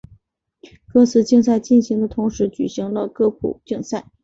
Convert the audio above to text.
歌词竞赛进行的同时举行了歌谱竞赛。